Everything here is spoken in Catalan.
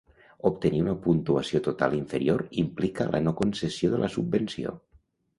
Obtenir una puntuació total inferior implica la no concessió de la subvenció.